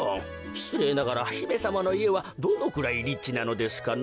しつれいながらひめさまのいえはどのくらいリッチなのですかな？